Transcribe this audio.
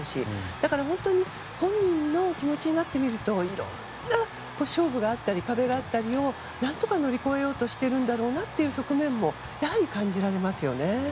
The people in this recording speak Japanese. だから本当に本人の気持ちになってみるといろんな勝負があったり壁があったりを何とか乗り越えようとしているんだろうなという側面もやはり感じられますね。